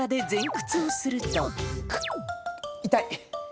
痛い！